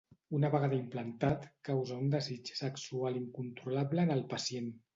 Una vegada implantat, causa un desig sexual incontrolable en el pacient.